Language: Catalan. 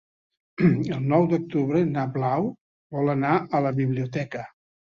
El nou d'octubre na Blau vol anar a la biblioteca.